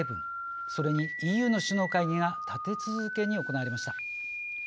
それにＥＵの首脳会議が立て続けに行われました。